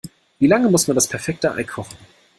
Wie lange muss man das perfekte Ei kochen?